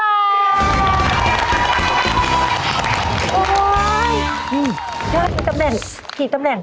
อื้อนี่ตำแหน่ง